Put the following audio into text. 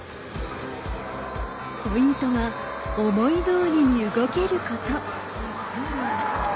ポイントは思い通りに動けること。